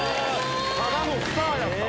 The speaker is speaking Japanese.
ただのスターやった。